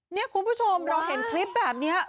นี่คุณผู้ชมเราเห็นคลิปแบบนี้